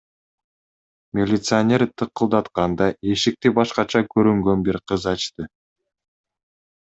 Милиционер тыкылдатканда, эшикти башкача көрүнгөн бир кыз ачты.